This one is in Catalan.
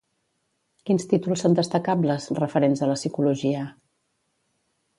Quins títols són destacables, referents a la psicologia?